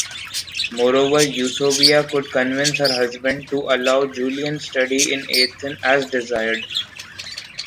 Moreover Eusebia could convince her husband, to allow Julian study in Athen as desired.